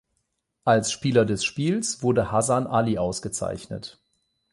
Als Spieler des Spiels wurde Hasan Ali ausgezeichnet.